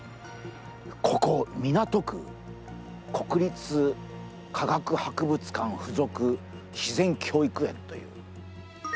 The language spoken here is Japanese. ここ、港区国立科学博物館附属自然教育園。